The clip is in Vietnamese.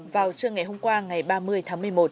vào trưa ngày hôm qua ngày ba mươi tháng một mươi một